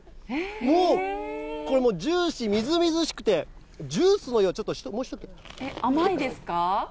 もう、これもう、ジューシー、みずみずしくて、ジュースのよう、甘いですか？